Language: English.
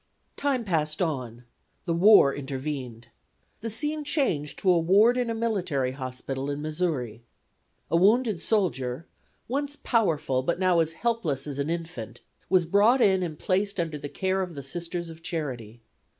Time passed on; the war intervened. The scene changed to a ward in a military hospital in Missouri. A wounded soldier, once powerful but now as helpless as an infant, was brought in and placed under the care of the Sisters of Charity.